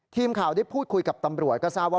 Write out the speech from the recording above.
ทีมข่าวได้พูดคุยกับตำรวจก็ทราบว่า